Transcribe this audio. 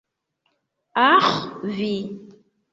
Aĥ, vi.